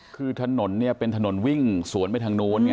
คือถนนเนี่ยเป็นถนนวิ่งสวนไปทางนู้นไง